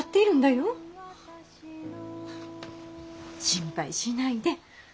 心配しないで。